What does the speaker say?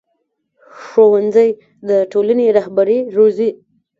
ښوونځی د ټولنې رهبري روزي